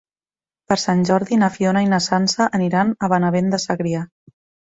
Per Sant Jordi na Fiona i na Sança aniran a Benavent de Segrià.